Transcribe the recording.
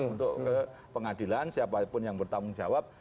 untuk ke pengadilan siapapun yang bertanggung jawab